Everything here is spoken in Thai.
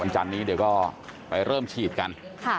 จันนี้เดี๋ยวก็ไปเริ่มฉีดกัน